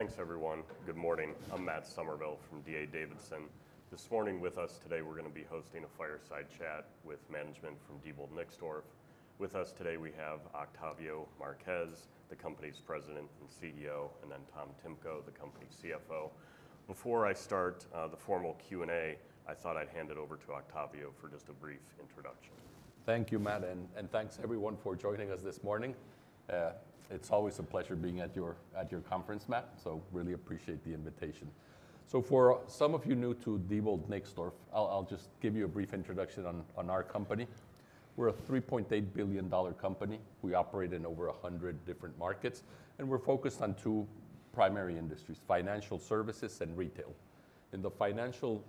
Thanks, everyone. Good morning. I'm Matt Summerville from D.A. Davidson. This morning with us today, we're going to be hosting a fireside chat with management from Diebold Nixdorf. With us today, we have Octavio Marquez, the company's President and CEO, and then Tom Timko, the company's CFO. Before I start the formal Q&A, I thought I'd hand it over to Octavio for just a brief introduction. Thank you, Matt, and thanks everyone for joining us this morning. It's always a pleasure being at your conference, Matt, so really appreciate the invitation. For some of you new to Diebold Nixdorf, I'll just give you a brief introduction on our company. We're a $3.8 billion company. We operate in over 100 different markets, and we're focused on two primary industries: financial services and retail. In the financial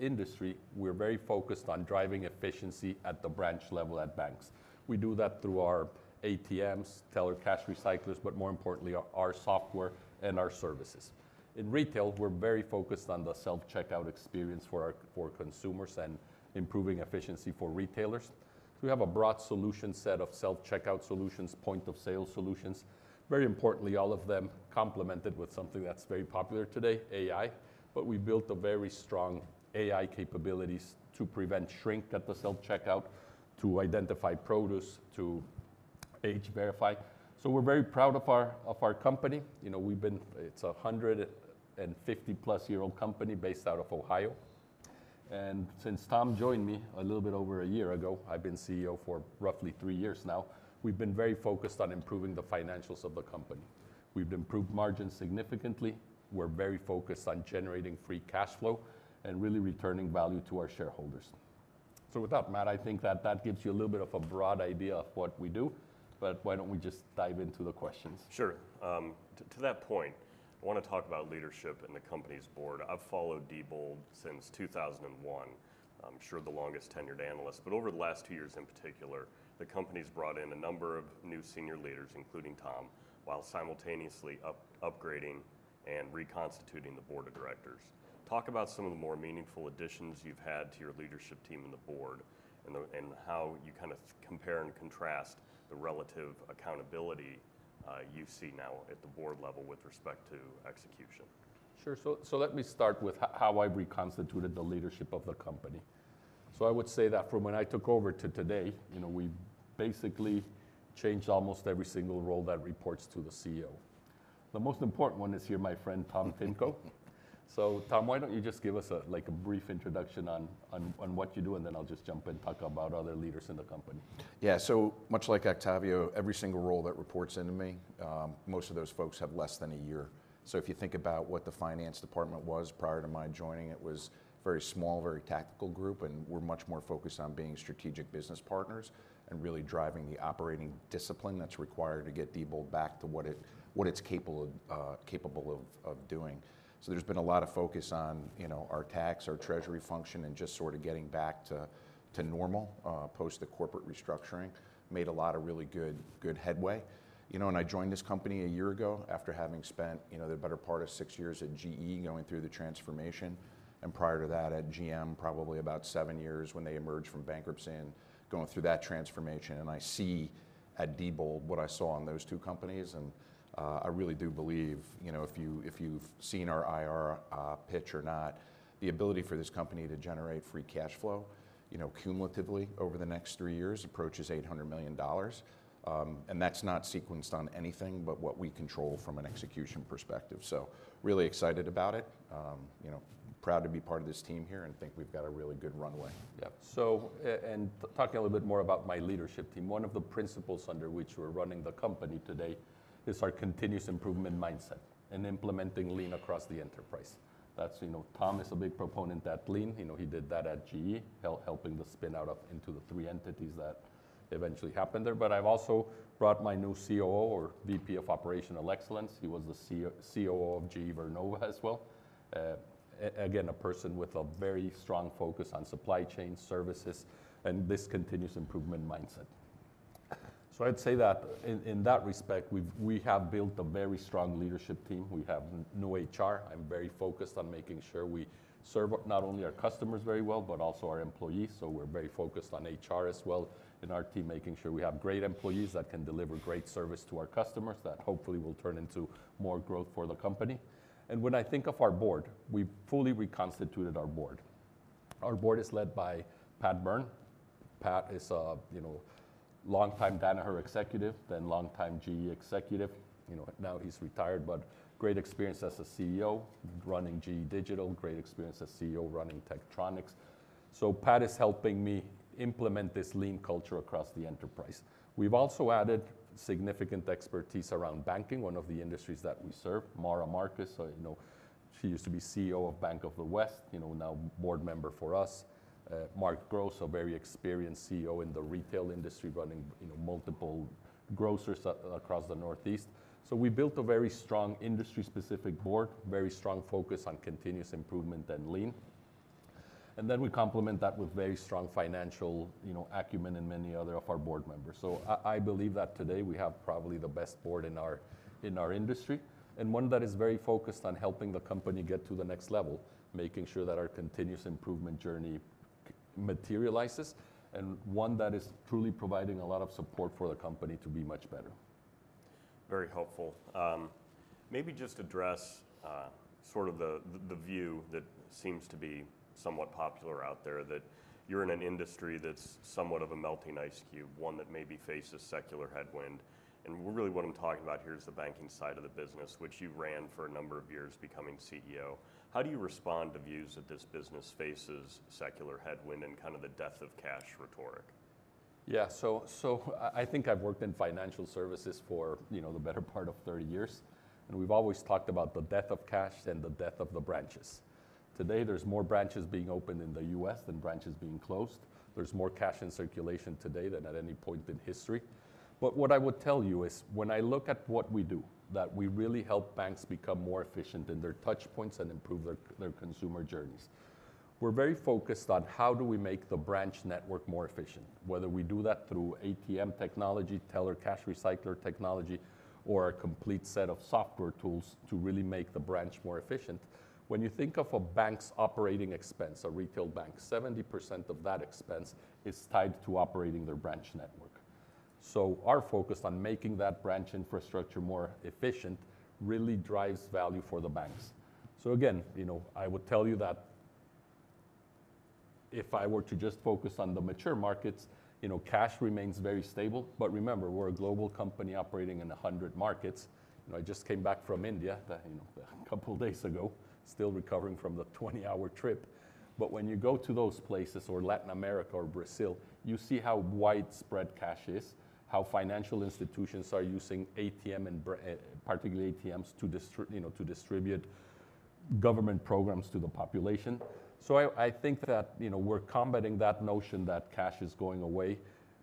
industry, we're very focused on driving efficiency at the branch level at banks. We do that through our ATMs, teller cash recyclers, but more importantly, our software and our services. In retail, we're very focused on the self-checkout experience for consumers and improving efficiency for retailers. We have a broad solution set of self-checkout solutions, point-of-sale solutions. Very importantly, all of them complemented with something that's very popular today: AI. We built very strong AI capabilities to prevent shrink at the self-checkout, to identify produce, to age verify. We are very proud of our company. You know, we have been—it's a 150-plus-year-old company based out of Ohio. Since Tom joined me a little bit over a year ago, I have been CEO for roughly three years now. We have been very focused on improving the financials of the company. We have improved margins significantly. We are very focused on generating free cash flow and really returning value to our shareholders. With that, Matt, I think that gives you a little bit of a broad idea of what we do, but why don't we just dive into the questions? Sure. To that point, I want to talk about leadership and the company's board. I've followed Diebold Nixdorf since 2001. I'm sure the longest tenured analyst, but over the last two years in particular, the company's brought in a number of new senior leaders, including Tom, while simultaneously upgrading and reconstituting the board of directors. Talk about some of the more meaningful additions you've had to your leadership team and the board and how you kind of compare and contrast the relative accountability you see now at the board level with respect to execution. Sure. Let me start with how I reconstituted the leadership of the company. I would say that from when I took over to today, you know, we basically changed almost every single role that reports to the CEO. The most important one is here, my friend Tom Timko. Tom, why don't you just give us a brief introduction on what you do, and then I'll just jump in and talk about other leaders in the company. Yeah. So much like Octavio, every single role that reports into me, most of those folks have less than a year. If you think about what the finance department was prior to my joining, it was a very small, very tactical group, and we're much more focused on being strategic business partners and really driving the operating discipline that's required to get Diebold back to what it's capable of doing. There's been a lot of focus on our tax, our treasury function, and just sort of getting back to normal post the corporate restructuring, made a lot of really good headway. You know, I joined this company a year ago after having spent the better part of six years at GE going through the transformation, and prior to that at GM, probably about seven years when they emerged from bankruptcy and going through that transformation. I see at Diebold what I saw on those two companies, and I really do believe, you know, if you've seen our IR pitch or not, the ability for this company to generate free cash flow, you know, cumulatively over the next three years approaches $800 million. That's not sequenced on anything but what we control from an execution perspective. Really excited about it, you know, proud to be part of this team here and think we've got a really good runway. Yeah. So talking a little bit more about my leadership team, one of the principles under which we're running the company today is our continuous improvement mindset and implementing lean across the enterprise. That's, you know, Tom is a big proponent of that lean. You know, he did that at GE, helping the spin out into the three entities that eventually happened there. I've also brought my new COO or VP of Operational Excellence. He was the COO of GE Vernova as well. Again, a person with a very strong focus on supply chain services and this continuous improvement mindset. I'd say that in that respect, we have built a very strong leadership team. We have new HR. I'm very focused on making sure we serve not only our customers very well, but also our employees. We're very focused on HR as well in our team, making sure we have great employees that can deliver great service to our customers that hopefully will turn into more growth for the company. When I think of our board, we fully reconstituted our board. Our board is led by Pat Byrne. Pat is a, you know, longtime Danaher executive, then longtime GE executive. You know, now he's retired, but great experience as a CEO running GE Digital, great experience as CEO running Tektronix. Pat is helping me implement this lean culture across the enterprise. We've also added significant expertise around banking, one of the industries that we serve, Maura Markus. You know, she used to be COO of Bank of the West, you know, now board member for us. Mark Gross, a very experienced CEO in the retail industry running, you know, multiple grocers across the Northeast. We built a very strong industry-specific board, very strong focus on continuous improvement and lean. We complement that with very strong financial, you know, acumen and many other of our board members. I believe that today we have probably the best board in our industry and one that is very focused on helping the company get to the next level, making sure that our continuous improvement journey materializes and one that is truly providing a lot of support for the company to be much better. Very helpful. Maybe just address sort of the view that seems to be somewhat popular out there that you're in an industry that's somewhat of a melting ice cube, one that maybe faces secular headwind. Really what I'm talking about here is the banking side of the business, which you ran for a number of years becoming CEO. How do you respond to views that this business faces secular headwind and kind of the death of cash rhetoric? Yeah. So I think I've worked in financial services for, you know, the better part of 30 years. And we've always talked about the death of cash and the death of the branches. Today, there's more branches being opened in the U.S. than branches being closed. There's more cash in circulation today than at any point in history. But what I would tell you is when I look at what we do, that we really help banks become more efficient in their touchpoints and improve their consumer journeys. We're very focused on how do we make the branch network more efficient, whether we do that through ATM technology, teller cash recycler technology, or a complete set of software tools to really make the branch more efficient. When you think of a bank's operating expense, a retail bank, 70% of that expense is tied to operating their branch network. Our focus on making that branch infrastructure more efficient really drives value for the banks. Again, you know, I would tell you that if I were to just focus on the mature markets, you know, cash remains very stable. Remember, we're a global company operating in 100 markets. You know, I just came back from India a couple of days ago, still recovering from the 20-hour trip. When you go to those places or Latin America or Brazil, you see how widespread cash is, how financial institutions are using ATM, and particularly ATMs, to distribute government programs to the population. I think that, you know, we're combating that notion that cash is going away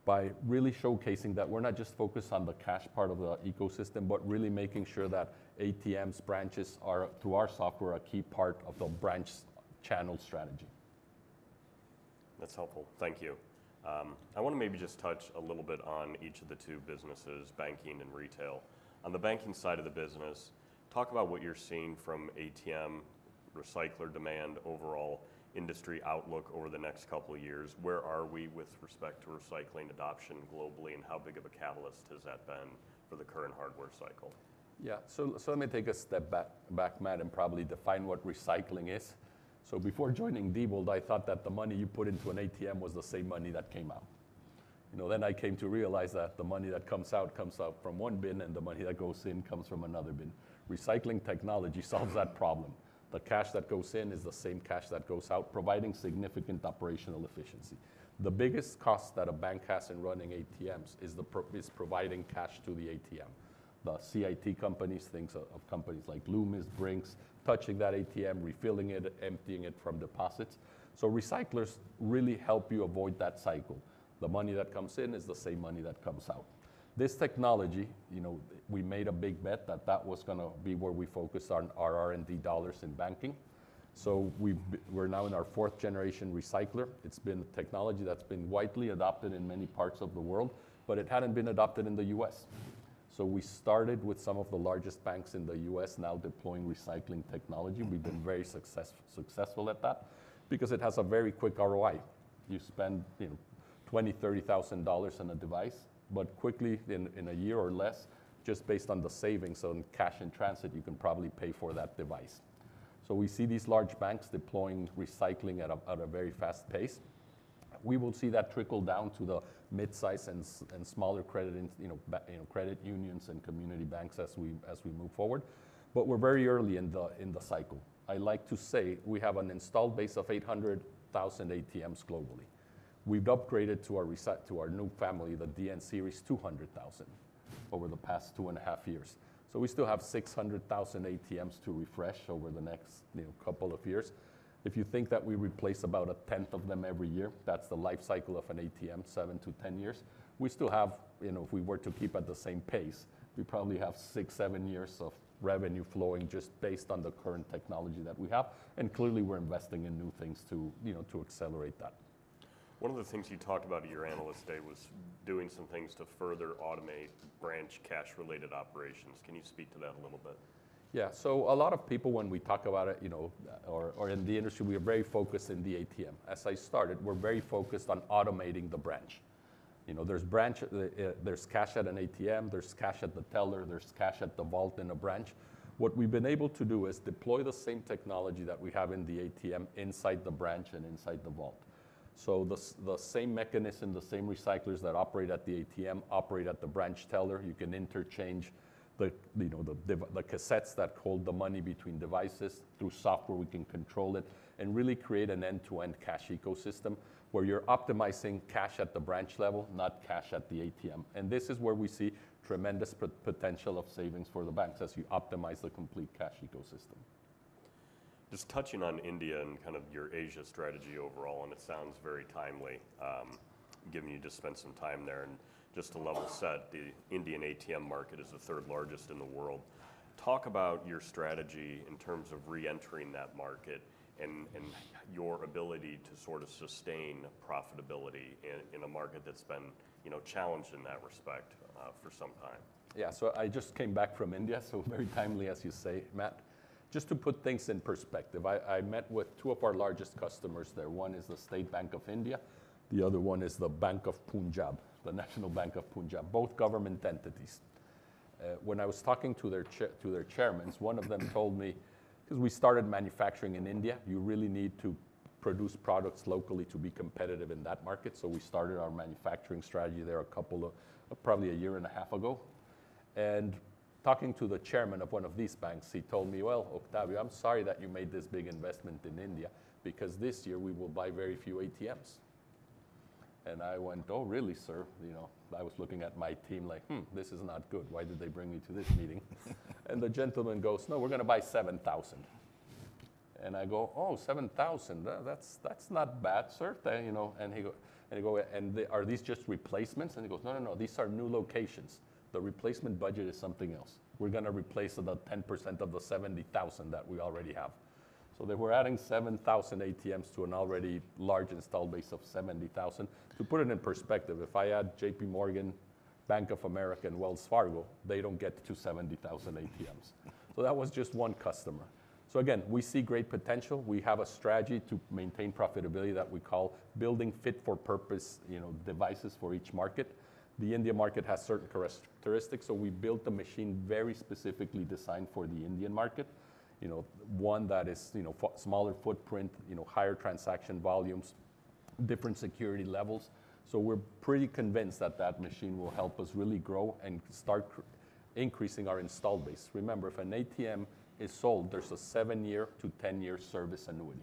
by really showcasing that we're not just focused on the cash part of the ecosystem, but really making sure that ATMs, branches are to our software a key part of the branch channel strategy. That's helpful. Thank you. I want to maybe just touch a little bit on each of the two businesses, banking and retail. On the banking side of the business, talk about what you're seeing from ATM, recycler demand, overall industry outlook over the next couple of years. Where are we with respect to recycling adoption globally, and how big of a catalyst has that been for the current hardware cycle? Yeah. Let me take a step back, Matt, and probably define what recycling is. Before joining Diebold Nixdorf, I thought that the money you put into an ATM was the same money that came out. You know, then I came to realize that the money that comes out comes out from one bin, and the money that goes in comes from another bin. Recycling technology solves that problem. The cash that goes in is the same cash that goes out, providing significant operational efficiency. The biggest cost that a bank has in running ATMs is providing cash to the ATM. The CIT companies, think of companies like Loomis, Brink's, touching that ATM, refilling it, emptying it from deposits. Recyclers really help you avoid that cycle. The money that comes in is the same money that comes out. This technology, you know, we made a big bet that that was going to be where we focus on our R&D dollars in banking. We are now in our 4th-gen recycler. It has been technology that has been widely adopted in many parts of the world, but it had not been adopted in the U.S. We started with some of the largest banks in the U.S. now deploying recycling technology. We have been very successful at that because it has a very quick ROI. You spend, you know, $20,000-$30,000 on a device, but quickly in a year or less, just based on the savings on cash in transit, you can probably pay for that device. We see these large banks deploying recycling at a very fast pace. We will see that trickle down to the mid-size and smaller credit unions and community banks as we move forward. We're very early in the cycle. I like to say we have an installed base of 800,000 ATMs globally. We've upgraded to our new family, the DN Series, 200,000 over the past two and a half years. We still have 600,000 ATMs to refresh over the next couple of years. If you think that we replace about a tenth of them every year, that's the life cycle of an ATM, seven to ten years. We still have, you know, if we were to keep at the same pace, we probably have six, seven years of revenue flowing just based on the current technology that we have. Clearly, we're investing in new things to accelerate that. One of the things you talked about to your analysts today was doing some things to further automate branch cash-related operations. Can you speak to that a little bit? Yeah. So a lot of people, when we talk about it, you know, or in the industry, we are very focused in the ATM. As I started, we're very focused on automating the branch. You know, there's cash at an ATM, there's cash at the teller, there's cash at the vault in a branch. What we've been able to do is deploy the same technology that we have in the ATM inside the branch and inside the vault. So the same mechanism, the same recyclers that operate at the ATM operate at the branch teller. You can interchange the cassettes that hold the money between devices through software. We can control it and really create an end-to-end cash ecosystem where you're optimizing cash at the branch level, not cash at the ATM. This is where we see tremendous potential of savings for the banks as you optimize the complete cash ecosystem. Just touching on India and kind of your Asia strategy overall, it sounds very timely, given you just spent some time there. Just to level set, the Indian ATM market is the third largest in the world. Talk about your strategy in terms of reentering that market and your ability to sort of sustain profitability in a market that's been, you know, challenged in that respect for some time. Yeah. I just came back from India, so very timely, as you say, Matt. Just to put things in perspective, I met with two of our largest customers there. One is the State Bank of India. The other one is the Bank of Punjab, the National Bank of Punjab, both government entities. When I was talking to their chairmans, one of them told me, because we started manufacturing in India, you really need to produce products locally to be competitive in that market. We started our manufacturing strategy there a couple of, probably a year and a half ago. Talking to the Chairman of one of these banks, he told me, "Octavio, I'm sorry that you made this big investment in India because this year we will buy very few ATMs." I went, "Oh, really, sir?" You know, I was looking at my team like, this is not good. Why did they bring me to this meeting?" The gentleman goes, "No, we're going to buy 7,000." I go, "7,000, that's not bad, sir." You know, and I go, "Are these just replacements?" He goes, "No, no, no, these are new locations. The replacement budget is something else. We're going to replace about 10% of the 70,000 that we already have." They were adding 7,000 ATMs to an already large installed base of 70,000. To put it in perspective, if I add JPMorgan, Bank of America, and Wells Fargo, they do not get to 70,000 ATMs. That was just one customer. Again, we see great potential. We have a strategy to maintain profitability that we call building fit-for-purpose, you know, devices for each market. The India market has certain characteristics, so we built a machine very specifically designed for the Indian market, you know, one that is, you know, smaller footprint, higher transaction volumes, different security levels. We are pretty convinced that that machine will help us really grow and start increasing our installed base. Remember, if an ATM is sold, there is a seven-year to ten-year service annuity.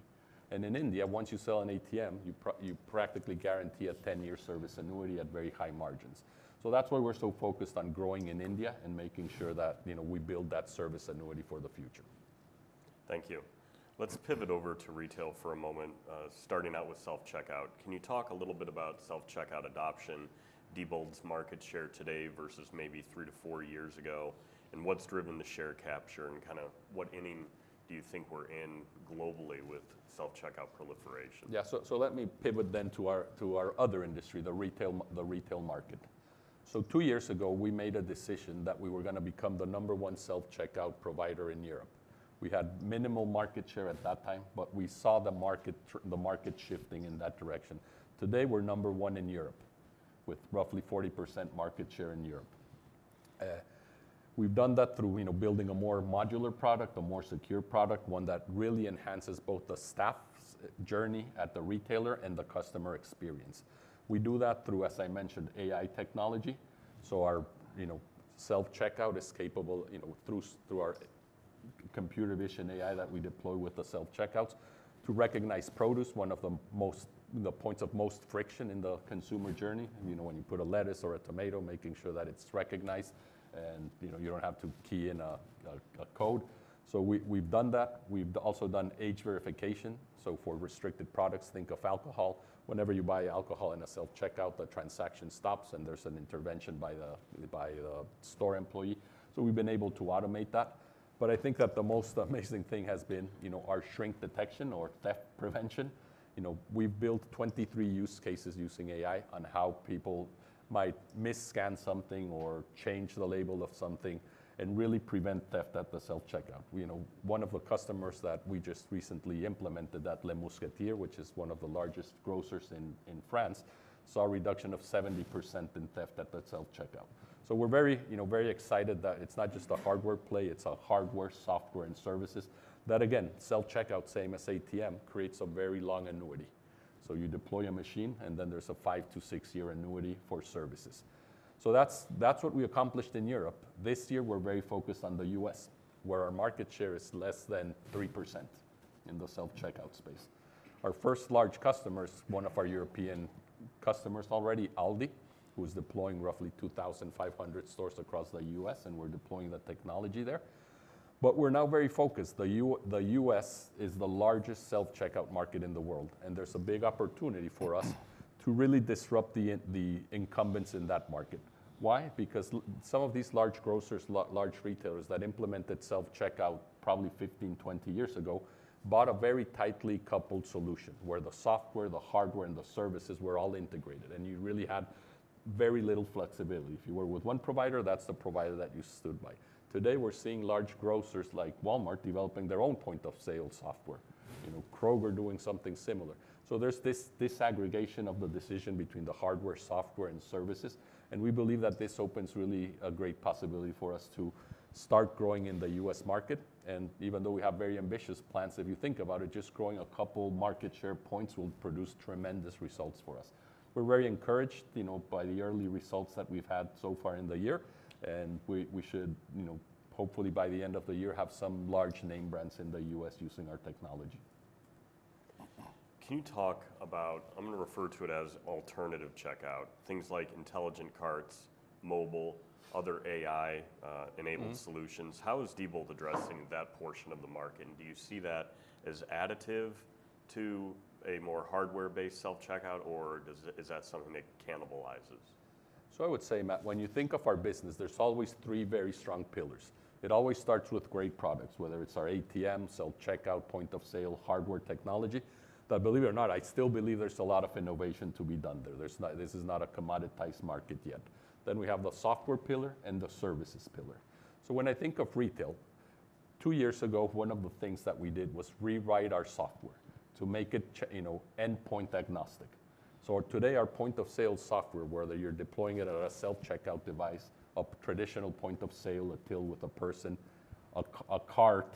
In India, once you sell an ATM, you practically guarantee a ten-year service annuity at very high margins. That's why we're so focused on growing in India and making sure that, you know, we build that service annuity for the future. Thank you. Let's pivot over to retail for a moment, starting out with self-checkout. Can you talk a little bit about self-checkout adoption, Diebold's market share today versus maybe three to four years ago, and what's driven the share capture and kind of what ending do you think we're in globally with self-checkout proliferation? Yeah. Let me pivot then to our other industry, the retail market. Two years ago, we made a decision that we were going to become the number one self-checkout provider in Europe. We had minimal market share at that time, but we saw the market shifting in that direction. Today, we're number one in Europe with roughly 40% market share in Europe. We've done that through, you know, building a more modular product, a more secure product, one that really enhances both the staff journey at the retailer and the customer experience. We do that through, as I mentioned, AI technology. Our, you know, self-checkout is capable, you know, through our computer vision AI that we deploy with the self-checkouts to recognize produce, one of the points of most friction in the consumer journey. You know, when you put a lettuce or a tomato, making sure that it's recognized and, you know, you don't have to key in a code. So we've done that. We've also done age verification. So for restricted products, think of alcohol. Whenever you buy alcohol in a self-checkout, the transaction stops and there's an intervention by the store employee. So we've been able to automate that. But I think that the most amazing thing has been, you know, our shrink detection or theft prevention. You know, we've built 23 use cases using AI on how people might mis-scan something or change the label of something and really prevent theft at the self-checkout. You know, one of the customers that we just recently implemented at Les Mousquetaires, which is one of the largest grocers in France, saw a reduction of 70% in theft at the self-checkout. We're very, you know, very excited that it's not just a hardware play, it's a hardware, software, and services that, again, self-checkout, same as ATM, creates a very long annuity. You deploy a machine and then there's a five-six year annuity for services. That's what we accomplished in Europe. This year, we're very focused on the U.S., where our market share is less than 3% in the self-checkout space. Our first large customers, one of our European customers already, ALDI, who's deploying roughly 2,500 stores across the U.S., and we're deploying the technology there. We're now very focused. The U.S. is the largest self-checkout market in the world, and there's a big opportunity for us to really disrupt the incumbents in that market. Why? Because some of these large grocers, large retailers that implemented self-checkout probably 15, 20 years ago bought a very tightly coupled solution where the software, the hardware, and the services were all integrated, and you really had very little flexibility. If you were with one provider, that's the provider that you stood by. Today, we're seeing large grocers like Walmart developing their own point-of-sale software. You know, Kroger doing something similar. There is this disaggregation of the decision between the hardware, software, and services. We believe that this opens really a great possibility for us to start growing in the U.S. market. Even though we have very ambitious plans, if you think about it, just growing a couple market share points will produce tremendous results for us. We're very encouraged, you know, by the early results that we've had so far in the year, and we should, you know, hopefully by the end of the year have some large name brands in the U.S. using our technology. Can you talk about, I'm going to refer to it as alternative checkout, things like intelligent carts, mobile, other AI-enabled solutions? How is Diebold addressing that portion of the market? Do you see that as additive to a more hardware-based self-checkout, or is that something that cannibalizes? I would say, Matt, when you think of our business, there's always three very strong pillars. It always starts with great products, whether it's our ATM, self-checkout, point-of-sale, hardware technology. But believe it or not, I still believe there's a lot of innovation to be done there. This is not a commoditized market yet. Then we have the software pillar and the services pillar. When I think of retail, two years ago, one of the things that we did was rewrite our software to make it, you know, endpoint agnostic. Today, our point-of-sale software, whether you're deploying it at a self-checkout device, a traditional point-of-sale, a till with a person, a cart,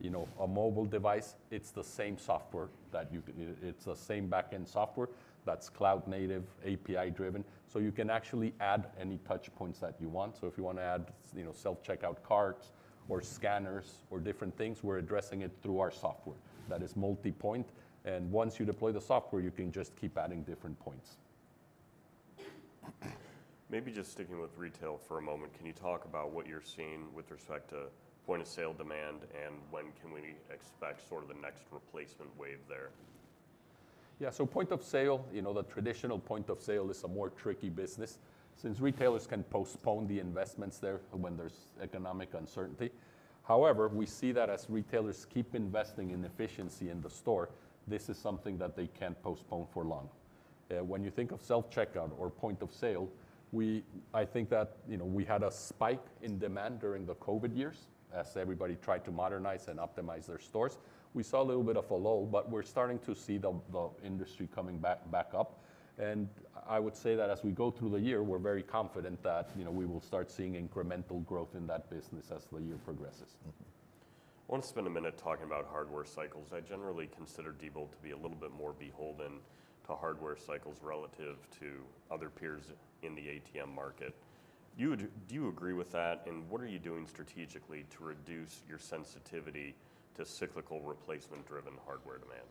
you know, a mobile device, it's the same software that you, it's the same back-end software that's cloud-native, API-driven. You can actually add any touch points that you want. If you want to add, you know, self-checkout carts or scanners or different things, we're addressing it through our software that is multi-point. And once you deploy the software, you can just keep adding different points. Maybe just sticking with retail for a moment, can you talk about what you're seeing with respect to point-of-sale demand and when can we expect sort of the next replacement wave there? Yeah. So point-of-sale, you know, the traditional point-of-sale is a more tricky business since retailers can postpone the investments there when there's economic uncertainty. However, we see that as retailers keep investing in efficiency in the store, this is something that they can't postpone for long. When you think of self-checkout or point-of-sale, I think that, you know, we had a spike in demand during the COVID years as everybody tried to modernize and optimize their stores. We saw a little bit of a lull, but we're starting to see the industry coming back up. I would say that as we go through the year, we're very confident that, you know, we will start seeing incremental growth in that business as the year progresses. I want to spend a minute talking about hardware cycles. I generally consider Diebold to be a little bit more beholden to hardware cycles relative to other peers in the ATM market. Do you agree with that? What are you doing strategically to reduce your sensitivity to cyclical replacement-driven hardware demand?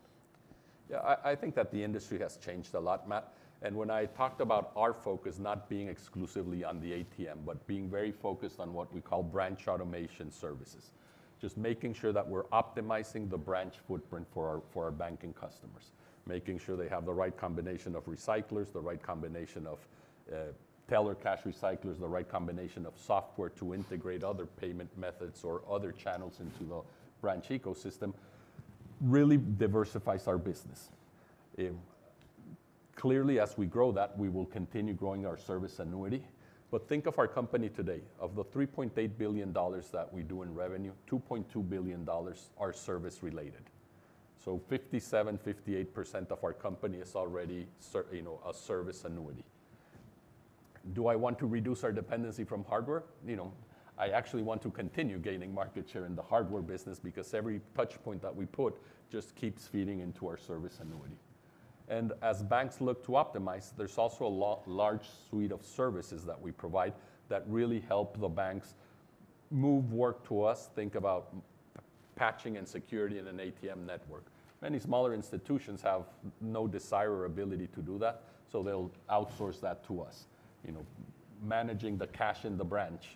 Yeah, I think that the industry has changed a lot, Matt. And when I talked about our focus not being exclusively on the ATM, but being very focused on what we call branch automation services, just making sure that we're optimizing the branch footprint for our banking customers, making sure they have the right combination of recyclers, the right combination of teller cash recyclers, the right combination of software to integrate other payment methods or other channels into the branch ecosystem really diversifies our business. Clearly, as we grow that, we will continue growing our service annuity. But think of our company today. Of the $3.8 billion that we do in revenue, $2.2 billion are service-related. So 57%-58% of our company is already, you know, a service annuity. Do I want to reduce our dependency from hardware? You know, I actually want to continue gaining market share in the hardware business because every touch point that we put just keeps feeding into our service annuity. As banks look to optimize, there is also a large suite of services that we provide that really help the banks move work to us, think about patching and security in an ATM network. Many smaller institutions have no desire or ability to do that, so they'll outsource that to us, you know, managing the cash in the branch,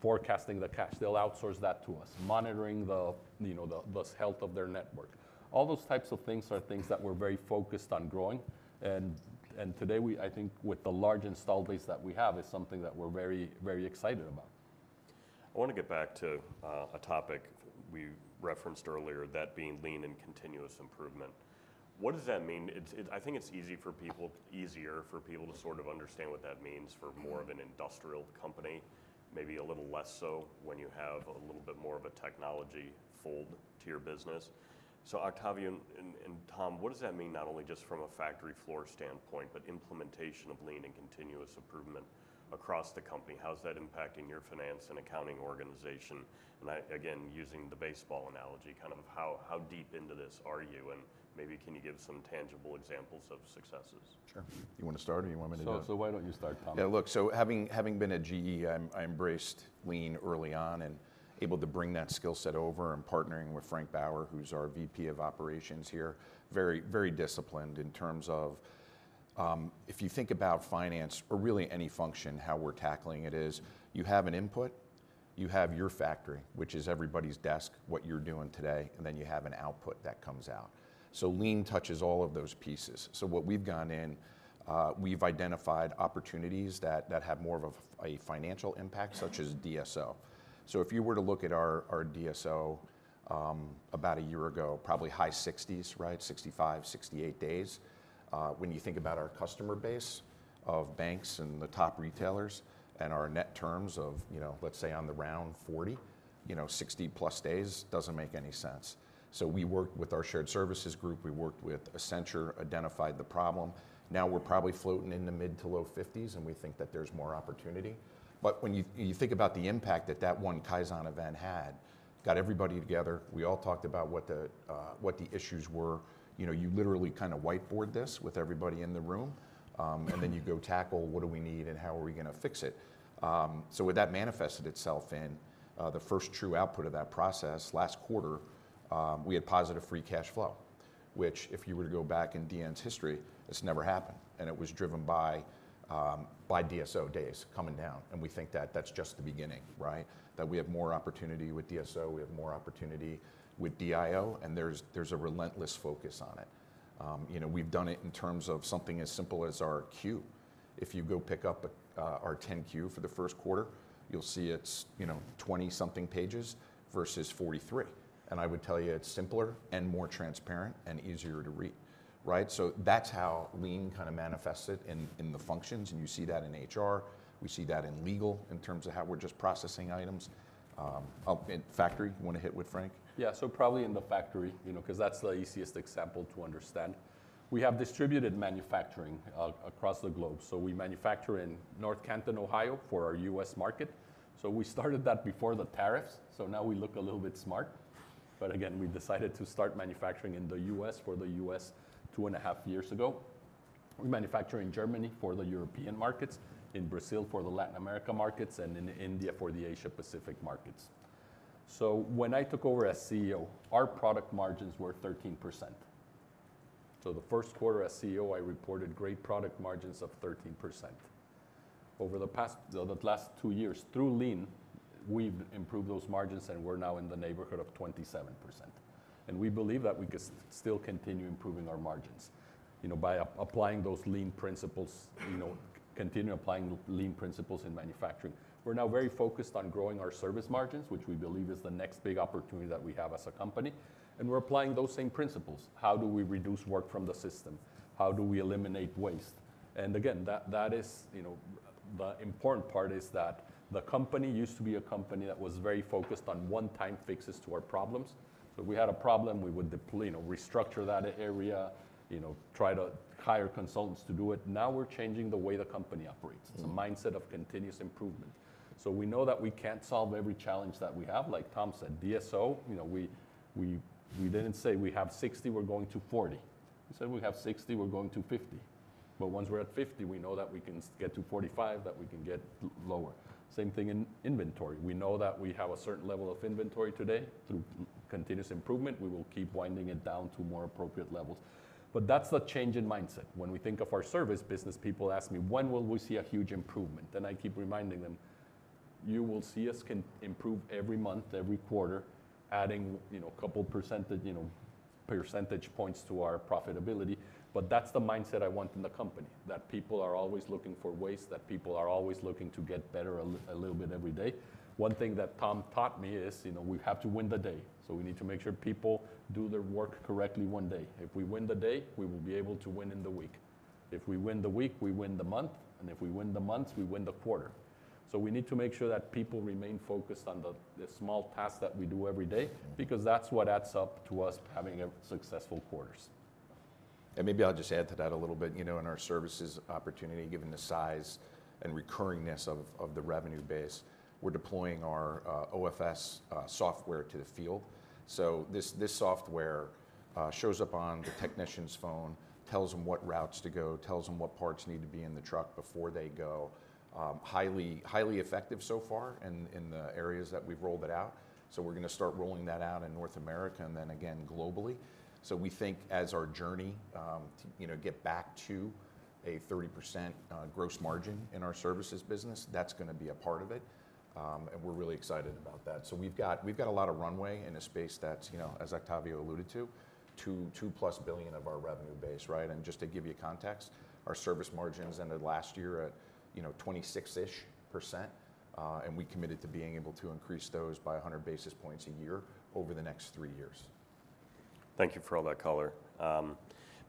forecasting the cash. They'll outsource that to us, monitoring the, you know, the health of their network. All those types of things are things that we're very focused on growing. Today, I think with the large installed base that we have, it's something that we're very, very excited about. I want to get back to a topic we referenced earlier, that being lean and continuous improvement. What does that mean? I think it's easy for people, easier for people to sort of understand what that means for more of an industrial company, maybe a little less so when you have a little bit more of a technology fold to your business. So Octavio and Tom, what does that mean not only just from a factory floor standpoint, but implementation of lean and continuous improvement across the company? How's that impacting your finance and accounting organization? Again, using the baseball analogy, kind of how deep into this are you? Maybe can you give some tangible examples of successes? Sure. You want to start or you want me to do it? Why don't you start, Tom? Yeah, look, so having been at GE, I embraced lean early on and able to bring that skill set over and partnering with Frank Baur, who's our VP of Operations here, very, very disciplined in terms of if you think about finance or really any function, how we're tackling it is you have an input, you have your factory, which is everybody's desk, what you're doing today, and then you have an output that comes out. Lean touches all of those pieces. What we've gone in, we've identified opportunities that have more of a financial impact, such as DSO. If you were to look at our DSO about a year ago, probably high 60s, right? 65, 68 days. When you think about our customer base of banks and the top retailers and our net terms of, you know, let's say on the round 40, you know, 60-plus days doesn't make any sense. We worked with our shared services group, we worked with Accenture, identified the problem. Now we're probably floating in the mid to low 50s, and we think that there's more opportunity. When you think about the impact that that one Kaizen event had, got everybody together, we all talked about what the issues were. You know, you literally kind of whiteboard this with everybody in the room, and then you go tackle, what do we need and how are we going to fix it? That manifested itself in the first true output of that process. Last quarter, we had positive free cash flow, which if you were to go back in DN's history, it's never happened. It was driven by DSO days coming down. We think that that's just the beginning, right? We have more opportunity with DSO, we have more opportunity with DIO, and there's a relentless focus on it. You know, we've done it in terms of something as simple as our queue. If you go pick up our 10-Q for the first quarter, you'll see it's, you know, 20 something pages versus 43. I would tell you it's simpler and more transparent and easier to read, right? That's how lean kind of manifested in the functions. You see that in HR. We see that in legal in terms of how we're just processing items. Factory, you want to hit with Frank? Yeah, so probably in the factory, you know, because that's the easiest example to understand. We have distributed manufacturing across the globe. We manufacture in North Canton, Ohio, for our U.S. market. We started that before the tariffs. Now we look a little bit smart. Again, we decided to start manufacturing in the U.S. for the U.S. two and a half years ago. We manufacture in Germany for the European markets, in Brazil for the Latin America markets, and in India for the Asia-Pacific markets. When I took over as CEO, our product margins were 13%. The first quarter as CEO, I reported great product margins of 13%. Over the past, the last two years through lean, we've improved those margins and we're now in the neighborhood of 27%. We believe that we can still continue improving our margins, you know, by applying those lean principles, you know, continue applying lean principles in manufacturing. We're now very focused on growing our service margins, which we believe is the next big opportunity that we have as a company. We're applying those same principles. How do we reduce work from the system? How do we eliminate waste? The important part is that the company used to be a company that was very focused on one-time fixes to our problems. If we had a problem, we would, you know, restructure that area, you know, try to hire consultants to do it. Now we're changing the way the company operates. It's a mindset of continuous improvement. We know that we can't solve every challenge that we have. Like Tom said, DSO, you know, we did not say we have 60, we are going to 40. We said we have 60, we are going to 50. Once we are at 50, we know that we can get to 45, that we can get lower. Same thing in inventory. We know that we have a certain level of inventory today. Through continuous improvement, we will keep winding it down to more appropriate levels. That is the change in mindset. When we think of our service business, people ask me, when will we see a huge improvement? I keep reminding them, you will see us improve every month, every quarter, adding, you know, a couple percentage points to our profitability. That is the mindset I want in the company, that people are always looking for ways, that people are always looking to get better a little bit every day. One thing that Tom taught me is, you know, we have to win the day. We need to make sure people do their work correctly one day. If we win the day, we will be able to win in the week. If we win the week, we win the month. If we win the months, we win the quarter. We need to make sure that people remain focused on the small tasks that we do every day because that's what adds up to us having successful quarters. Maybe I'll just add to that a little bit, you know, in our services opportunity, given the size and recurringness of the revenue base, we're deploying our OFS software to the field. This software shows up on the technician's phone, tells them what routes to go, tells them what parts need to be in the truck before they go. Highly, highly effective so far in the areas that we've rolled it out. We're going to start rolling that out in North America and then again globally. We think as our journey, you know, get back to a 30% gross margin in our services business, that's going to be a part of it. We're really excited about that. We've got a lot of runway in a space that's, you know, as Octavio alluded to, $2+ billion of our revenue base, right? Just to give you context, our service margins ended last year at, you know, 26%-ish. We committed to being able to increase those by 100 basis points a year over the next three years. Thank you for all that color.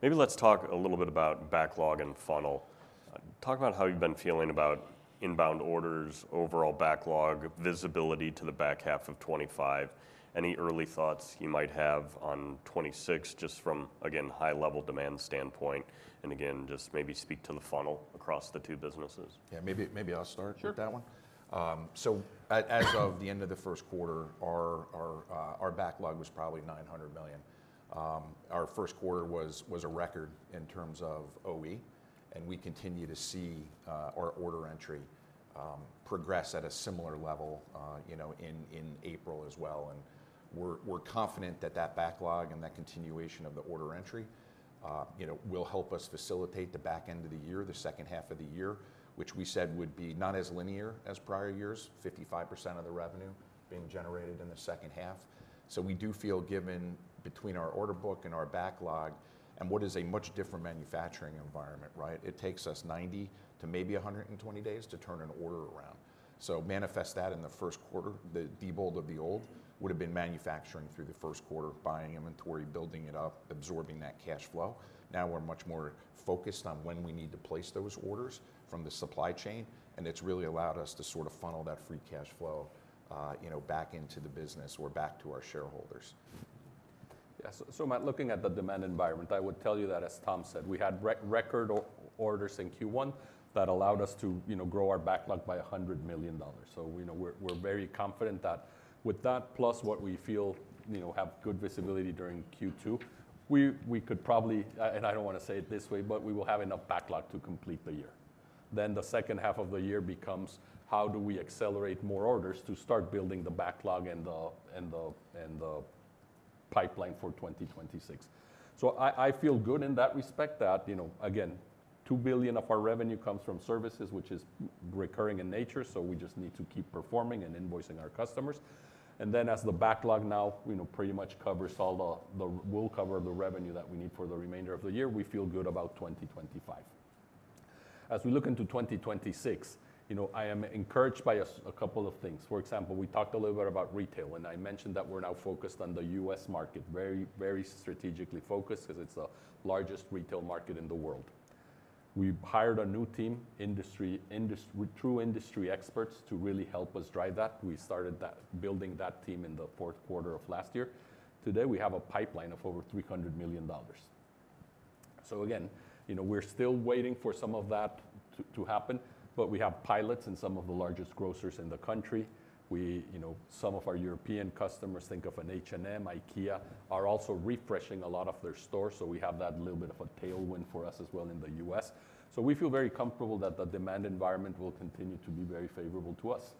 Maybe let's talk a little bit about backlog and funnel. Talk about how you've been feeling about inbound orders, overall backlog, visibility to the back half of 2025. Any early thoughts you might have on 2026 just from, again, high-level demand standpoint? And again, just maybe speak to the funnel across the two businesses. Yeah, maybe I'll start with that one. As of the end of the first quarter, our backlog was probably $900 million. Our first quarter was a record in terms of OE. We continue to see our order entry progress at a similar level, you know, in April as well. We're confident that that backlog and that continuation of the order entry, you know, will help us facilitate the back end of the year, the second half of the year, which we said would be not as linear as prior years, 55% of the revenue being generated in the second half. We do feel given between our order book and our backlog and what is a much different manufacturing environment, right? It takes us 90 to maybe 120 days to turn an order around. Manifest that in the first quarter. The Diebold of the old would have been manufacturing through the first quarter, buying inventory, building it up, absorbing that cash flow. Now we're much more focused on when we need to place those orders from the supply chain. It's really allowed us to sort of funnel that free cash flow, you know, back into the business or back to our shareholders. Yeah, so Matt, looking at the demand environment, I would tell you that as Tom said, we had record orders in Q1 that allowed us to, you know, grow our backlog by $100 million. You know, we're very confident that with that, plus what we feel, you know, have good visibility during Q2, we could probably, and I don't want to say it this way, but we will have enough backlog to complete the year. The second half of the year becomes how do we accelerate more orders to start building the backlog and the pipeline for 2026. I feel good in that respect that, you know, again, $2 billion of our revenue comes from services, which is recurring in nature. We just need to keep performing and invoicing our customers. As the backlog now, you know, pretty much covers all the, will cover the revenue that we need for the remainder of the year, we feel good about 2025. As we look into 2026, you know, I am encouraged by a couple of things. For example, we talked a little bit about retail, and I mentioned that we're now focused on the U.S. market, very, very strategically focused because it's the largest retail market in the world. We've hired a new team, true industry experts to really help us drive that. We started building that team in the fourth quarter of last year. Today, we have a pipeline of over $300 million. You know, we're still waiting for some of that to happen, but we have pilots in some of the largest grocers in the country. We, you know, some of our European customers, think of an H&M, IKEA, are also refreshing a lot of their stores. We have that little bit of a tailwind for us as well in the U.S. We feel very comfortable that the demand environment will continue to be very favorable to us.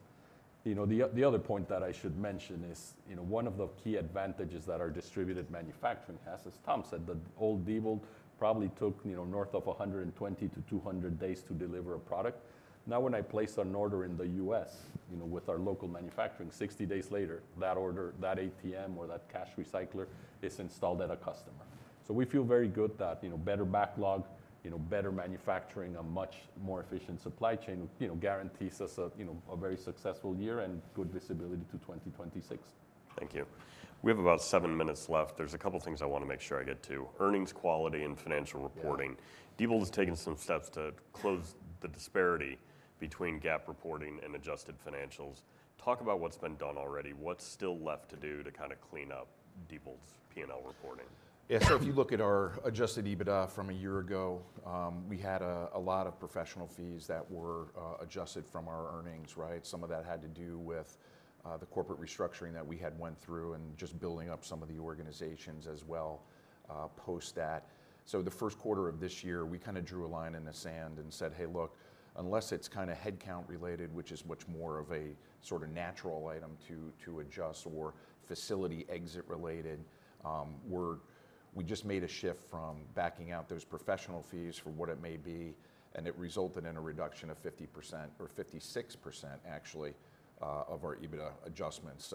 You know, the other point that I should mention is, you know, one of the key advantages that our distributed manufacturing has, as Tom said, the old Diebold probably took, you know, north of 120-200 days to deliver a product. Now when I place an order in the U.S., you know, with our local manufacturing, 60 days later, that order, that ATM or that cash recycler is installed at a customer. We feel very good that, you know, better backlog, you know, better manufacturing, a much more efficient supply chain, you know, guarantees us a, you know, a very successful year and good visibility to 2026. Thank you. We have about seven minutes left. There's a couple of things I want to make sure I get to. Earnings quality and financial reporting. Diebold has taken some steps to close the disparity between GAAP reporting and adjusted financials. Talk about what's been done already. What's still left to do to kind of clean up Diebold's P&L reporting? Yeah, so if you look at our adjusted EBITDA from a year ago, we had a lot of professional fees that were adjusted from our earnings, right? Some of that had to do with the corporate restructuring that we had went through and just building up some of the organizations as well post that. The first quarter of this year, we kind of drew a line in the sand and said, hey, look, unless it's kind of headcount related, which is much more of a sort of natural item to adjust or facility exit related, we just made a shift from backing out those professional fees for what it may be. It resulted in a reduction of 50% or 56% actually of our EBITDA adjustments.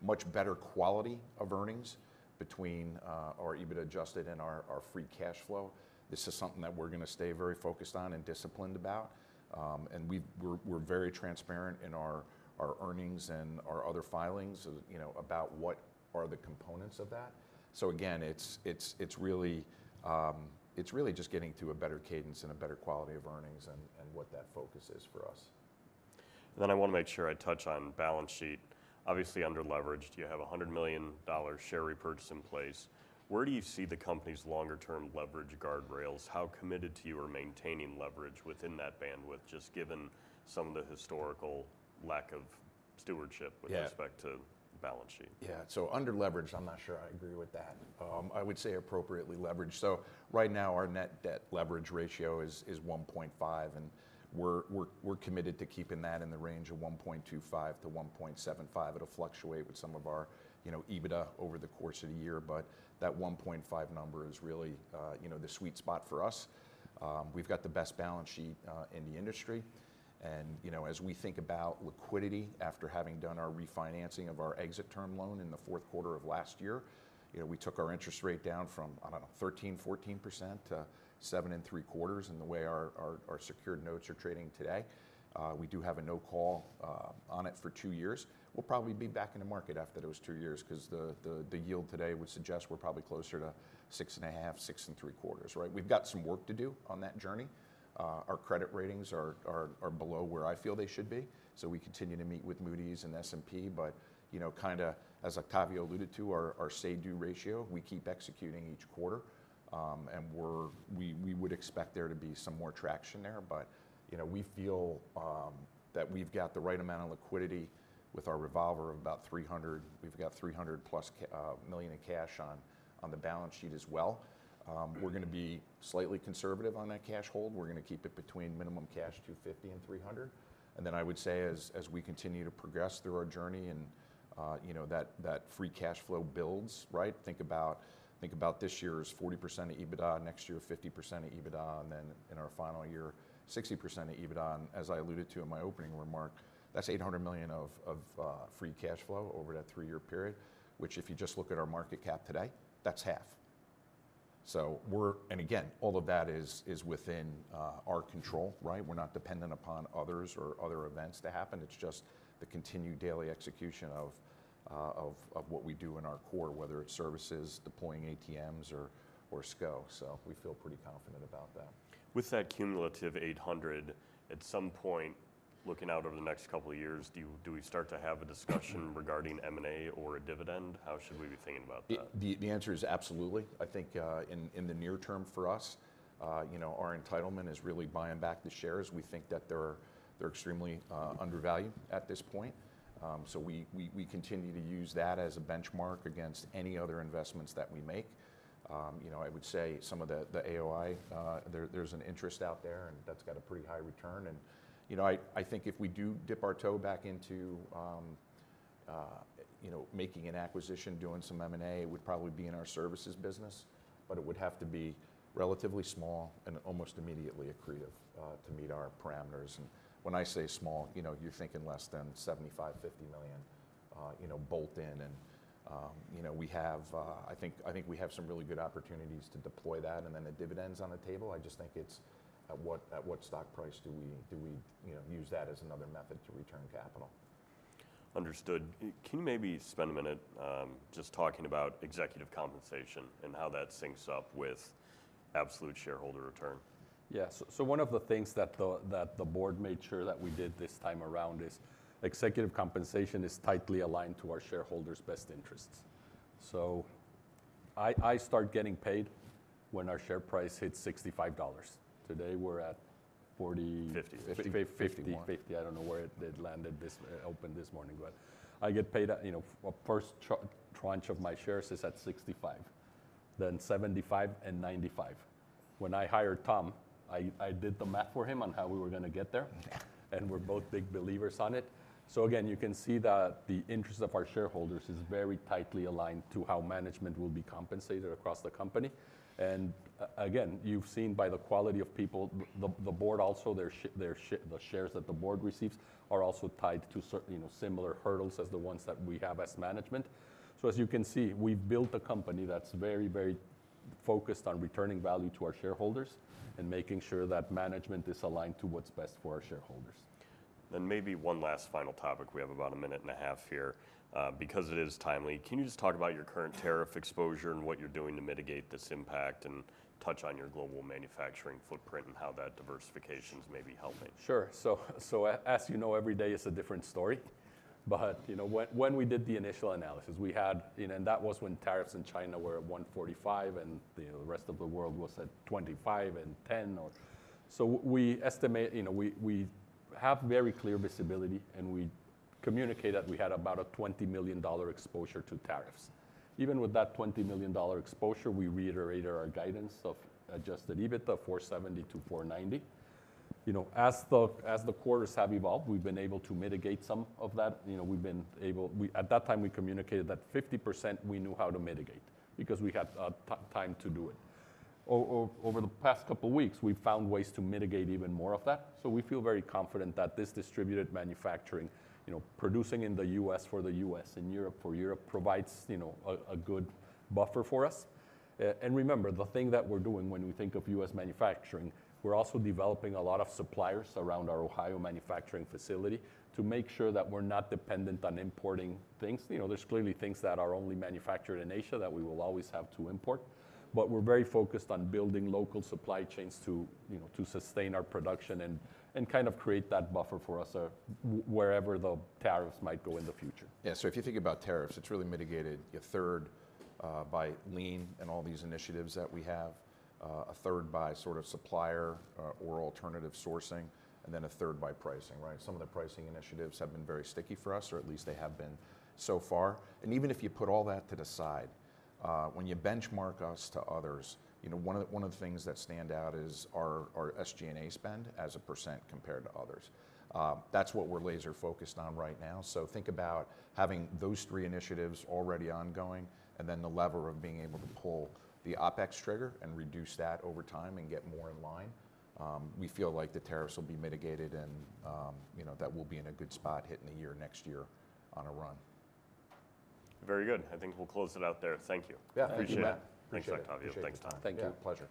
Much better quality of earnings between our EBITDA adjusted and our free cash flow. This is something that we're going to stay very focused on and disciplined about. We're very transparent in our earnings and our other filings, you know, about what are the components of that. Again, it's really just getting to a better cadence and a better quality of earnings and what that focus is for us. I want to make sure I touch on balance sheet. Obviously underleveraged, you have $100 million share repurchase in place. Where do you see the company's longer-term leverage guardrails? How committed are you to maintaining leverage within that bandwidth, just given some of the historical lack of stewardship with respect to balance sheet? Yeah, so underleveraged, I'm not sure I agree with that. I would say appropriately leveraged. Right now, our net debt leverage ratio is 1.5. We're committed to keeping that in the range of 1.25-1.75. It'll fluctuate with some of our, you know, EBITDA over the course of the year. That 1.5 number is really, you know, the sweet spot for us. We've got the best balance sheet in the industry. You know, as we think about liquidity after having done our refinancing of our exit term loan in the fourth quarter of last year, we took our interest rate down from, I don't know, 13%-14% to 7.75%. The way our secured notes are trading today, we do have a no-call on it for two years. We'll probably be back in the market after those two years because the yield today would suggest we're probably closer to 6.5, 6.75, right? We've got some work to do on that journey. Our credit ratings are below where I feel they should be. We continue to meet with Moody's and S&P. You know, kind of as Octavio alluded to, our say-do ratio, we keep executing each quarter. We would expect there to be some more traction there. You know, we feel that we've got the right amount of liquidity with our revolver of about $300 million. We've got $300+ million in cash on the balance sheet as well. We're going to be slightly conservative on that cash hold. We're going to keep it between minimum cash $250 million and $300 million. I would say as we continue to progress through our journey and, you know, that free cash flow builds, right? Think about this year's 40% of EBITDA, next year 50% of EBITDA, and then in our final year, 60% of EBITDA. As I alluded to in my opening remark, that's $800 million of free cash flow over that three-year period, which if you just look at our market cap today, that's half. We're, and again, all of that is within our control, right? We're not dependent upon others or other events to happen. It's just the continued daily execution of what we do in our core, whether it's services, deploying ATMs or SCO. We feel pretty confident about that. With that cumulative 800, at some point, looking out over the next couple of years, do we start to have a discussion regarding M&A or a dividend? How should we be thinking about that? The answer is absolutely. I think in the near term for us, you know, our entitlement is really buying back the shares. We think that they're extremely undervalued at this point. We continue to use that as a benchmark against any other investments that we make. You know, I would say some of the AOI, there's an interest out there and that's got a pretty high return. You know, I think if we do dip our toe back into, you know, making an acquisition, doing some M&A, it would probably be in our services business, but it would have to be relatively small and almost immediately accretive to meet our parameters. When I say small, you know, you're thinking less than $75 million-$50 million, you know, bolt in. You know, we have, I think we have some really good opportunities to deploy that. The dividends on the table, I just think it's at what stock price do we, you know, use that as another method to return capital. Understood. Can you maybe spend a minute just talking about executive compensation and how that syncs up with absolute shareholder return? Yeah, so one of the things that the board made sure that we did this time around is executive compensation is tightly aligned to our shareholders' best interests. So I start getting paid when our share price hits $65. Today we're at $40, $50, $50. I don't know where they landed open this morning, but I get paid, you know, a first tranche of my shares is at $65, then $75 and $95. When I hired Tom, I did the math for him on how we were going to get there. And we're both big believers on it. So again, you can see that the interest of our shareholders is very tightly aligned to how management will be compensated across the company. You've seen by the quality of people, the board also, the shares that the board receives are also tied to, you know, similar hurdles as the ones that we have as management. As you can see, we've built a company that's very, very focused on returning value to our shareholders and making sure that management is aligned to what's best for our shareholders. Maybe one last final topic. We have about a minute and a half here. Because it is timely, can you just talk about your current tariff exposure and what you're doing to mitigate this impact and touch on your global manufacturing footprint and how that diversification is maybe helping? Sure. As you know, every day is a different story. You know, when we did the initial analysis, we had, you know, and that was when tariffs in China were at 145 and the rest of the world was at 25 and 10. We estimate, you know, we have very clear visibility and we communicate that we had about a $20 million exposure to tariffs. Even with that $20 million exposure, we reiterated our guidance of adjusted EBITDA of $470 million-$490 million. You know, as the quarters have evolved, we've been able to mitigate some of that. You know, we've been able, at that time, we communicated that 50% we knew how to mitigate because we had time to do it. Over the past couple of weeks, we've found ways to mitigate even more of that. We feel very confident that this distributed manufacturing, you know, producing in the U.S. for the U.S. and Europe for Europe provides, you know, a good buffer for us. Remember, the thing that we're doing when we think of U.S. manufacturing, we're also developing a lot of suppliers around our Ohio manufacturing facility to make sure that we're not dependent on importing things. You know, there are clearly things that are only manufactured in Asia that we will always have to import. We are very focused on building local supply chains to, you know, to sustain our production and kind of create that buffer for us wherever the tariffs might go in the future. Yeah, so if you think about tariffs, it's really mitigated a third by lean and all these initiatives that we have, a third by sort of supplier or alternative sourcing, and then a third by pricing, right? Some of the pricing initiatives have been very sticky for us, or at least they have been so far. Even if you put all that to the side, when you benchmark us to others, you know, one of the things that stand out is our SG&A spend as a percent compared to others. That's what we're laser-focused on right now. Think about having those three initiatives already ongoing and then the lever of being able to pull the OPEX trigger and reduce that over time and get more in line. We feel like the tariffs will be mitigated and, you know, that we'll be in a good spot hitting the year next year on a run. Very good. I think we'll close it out there. Thank you. Yeah, thank you. Appreciate it. Thanks, Octavio. Thanks, Tom. Thank you.